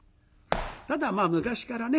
ただまあ昔からね